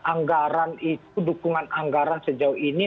anggaran itu dukungan anggaran sejauh ini